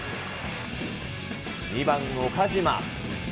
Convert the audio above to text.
２番岡島。